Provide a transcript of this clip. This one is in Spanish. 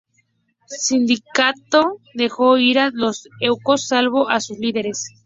Cincinato dejó ir a todos los ecuos salvo a sus líderes.